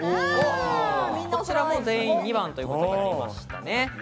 こちらも全員２番ということになりましたね。